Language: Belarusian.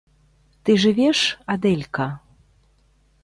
- Ты жывеш, Адэлька?..